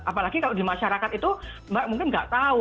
apalagi kalau di masyarakat itu mbak mungkin nggak tahu